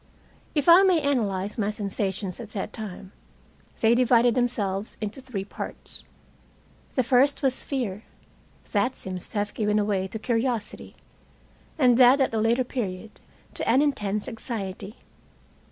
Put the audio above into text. If I may analyze my sensations at that time, they divided themselves into three parts. The first was fear. That seems to have given away to curiosity, and that at a later period, to an intense anxiety.